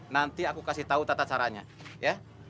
nanti aku kasih tahu tata caranya ya